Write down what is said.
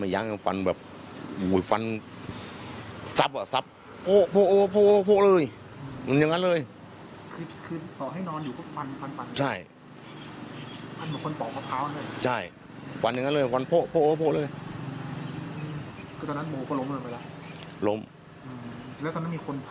เพราะตอนนั้นโบว์เขาล้มด้วยนะ